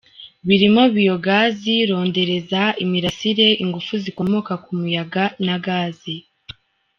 Birimo Biogaz, rondereza, imirasire, ingufu zikomoka ku muyaga na gaz.